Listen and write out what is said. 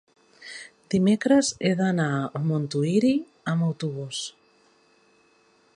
Dimecres he d'anar a Montuïri amb autobús.